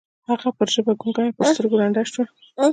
هغه پر ژبه ګونګۍ او پر سترګو ړنده شوه.